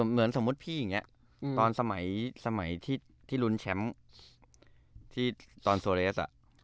เหมือนสมมุติพี่อันนี้๑๙๓๓ตอนสมัยที่หลุนแชมพ์ตอนโซเรส